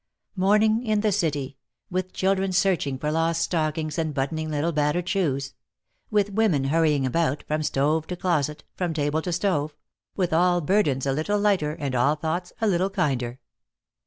Morning in the city, with children searching for lost stockings and buttoning little battered shoes; with women hurrying about, from stove to closet, from table to stove; with all burdens a little lighter and all thoughts a little kinder.